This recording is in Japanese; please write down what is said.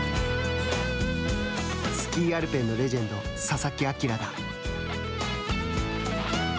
スキーアルペンのレジェンド佐々木明だ。